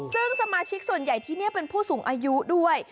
ซึ่งสมาชิกส่วนใหญ่ที่นี่เป็นผู้สูงอายุด้วย